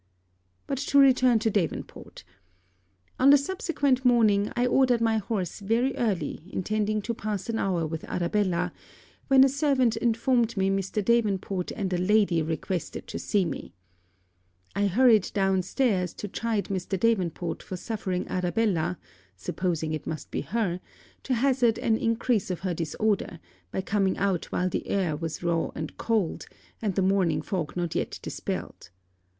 But to return to Davenport: on the subsequent morning, I ordered my horse very early intending to pass an hour with Arabella, when a servant informed me Mr. Davenport and a lady requested to see me. I hurried down stairs, to chide Mr. Davenport for suffering Arabella (supposing it must be her) to hazard an increase of her disorder, by coming out while the air was raw and cold, and the morning fog not yet dispelled.